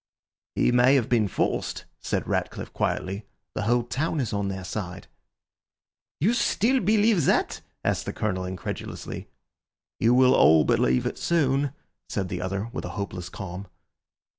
"He may have been forced," said Ratcliffe quietly. "The whole town is on their side." "You still believe that," asked the Colonel incredulously. "You will all believe it soon," said the other with a hopeless calm.